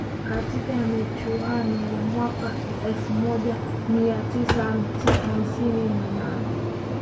katika michuano ya mwaka elfu moja mia tisa hamsini na nane